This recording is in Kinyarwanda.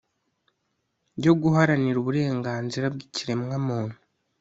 yo guharanira uburenganzira bw'ikiremwamuntu